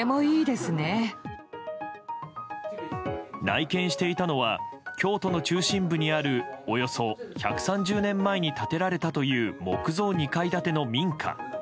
内見していたのは京都の中心部にあるおよそ１３０年前に建てられたという木造２階建ての民家。